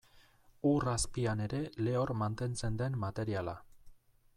Ur azpian ere lehor mantentzen den materiala.